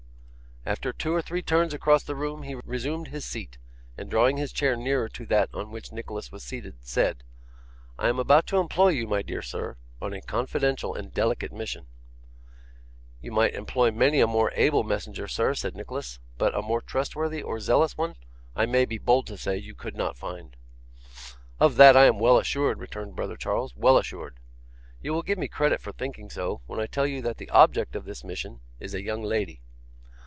After two or three turns across the room he resumed his seat, and drawing his chair nearer to that on which Nicholas was seated, said: 'I am about to employ you, my dear sir, on a confidential and delicate mission.' 'You might employ many a more able messenger, sir,' said Nicholas, 'but a more trustworthy or zealous one, I may be bold to say, you could not find.' 'Of that I am well assured,' returned brother Charles, 'well assured. You will give me credit for thinking so, when I tell you that the object of this mission is a young lady.